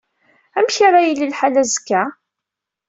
Amek ara yili lḥal azekka?